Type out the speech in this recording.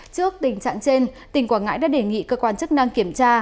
trước tình trạng trên tỉnh quảng ngãi đã đề nghị cơ quan chức năng kiểm tra